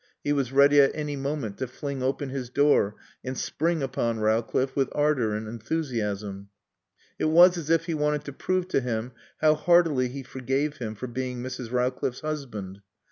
He was ready at any moment to fling open his door and spring upon Rowcliffe with ardor and enthusiasm. It was as if he wanted to prove to him how heartily he forgave him for being Mrs. Rowcliffe's husband.